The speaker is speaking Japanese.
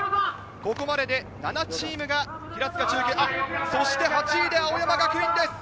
ここまで７チームが平塚中継所、８位で青山学院です。